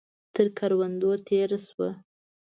تر کروندو تېره شوه.